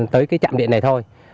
tới cái chạm điện này thôi